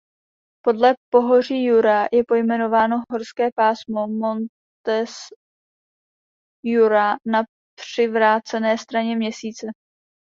Podle pohoří Jura je pojmenováno horské pásmo Montes Jura na přivrácené straně Měsíce.